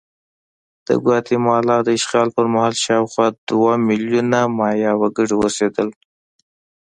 د ګواتیمالا د اشغال پر مهال شاوخوا دوه میلیونه مایا وګړي اوسېدل.